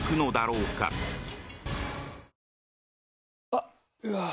あっ、うわー。